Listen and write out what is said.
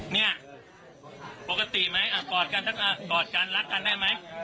เนี่ยปกติไหมกอดกันกอดกันรักกันได้ไหม